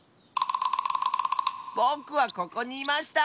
ぼくはここにいました！